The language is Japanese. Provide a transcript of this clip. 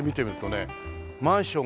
マンションがね。